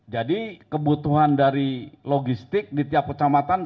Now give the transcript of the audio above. jadi kebutuhan dari logistik di tiap kecamatan